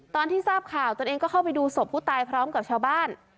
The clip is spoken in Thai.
ตอนที่ทราบข่าวตนเองก็เข้าไปดูศพผู้ตายพร้อมกับชาวบ้าน